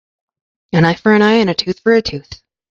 An eye for an eye and a tooth for a tooth.